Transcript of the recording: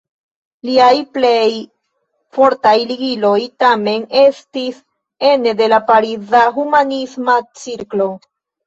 Liaj plej fortaj ligiloj, tamen, estis ene de la pariza humanisma cirklo.